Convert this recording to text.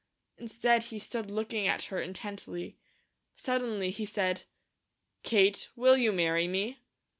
Instead he stood looking at her intently. Suddenly he said: "Kate, will you marry me?"